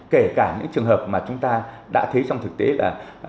kể cả những trường hợp mà chúng ta đã thấy trong thực tế là